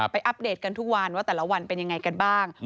อัปเดตกันทุกวันว่าแต่ละวันเป็นยังไงกันบ้าง